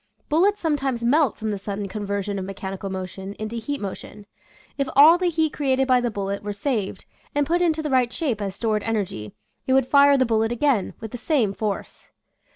Bullets sometimes melt from the sudden con version of mechanical motion into heat mo tion. If all the heat created by the bullet were saved and put into the right shape as stored energy, it would fire the bullet again with the same force.